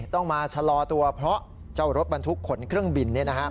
ต้องมาชะลอตัวเพราะเจ้ารถบรรทุกขนเครื่องบิน